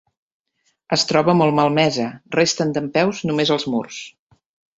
Es troba molt malmesa, resten dempeus només els murs.